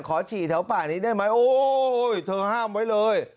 ฉี่แถวป่านี้ได้ไหมโอ้ยเธอห้ามไว้เลย